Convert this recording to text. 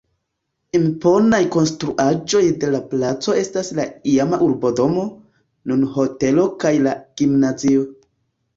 Imponaj konstruaĵoj de la placo estas la iama urbodomo, nun hotelo kaj la gimnazio.